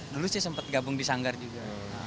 dulu sih sempat gabung di sanggar juga